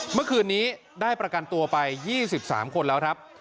เมื่อคืนนี้ได้ประกันตัวไป๒๓คนแล้วครับ